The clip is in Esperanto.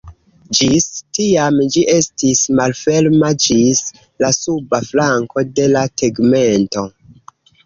Ĝis tiam ĝi estis malferma ĝis la suba flanko de la tegmento.